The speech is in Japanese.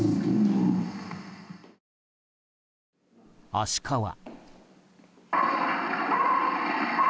アシカは。